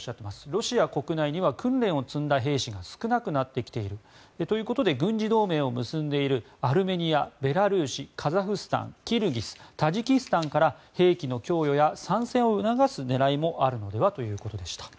ロシア国内には訓練を積んだ兵士が少なくなってきているということで軍事同盟を結んでいるアルメニア、ベラルーシカザフスタン、キルギスタジキスタンから兵器の供与や参戦を促す狙いもあるのではということでした。